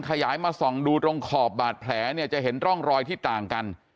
ขยายมาส่องดูตรงขอบบาดแผลเนี่ยจะเห็นร่องรอยที่ต่างกัน